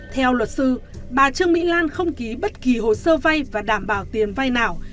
theo luật sư bà trương mỹ lan không ký bất kỳ hồ sơ vay và đảm bảo tiền vay nào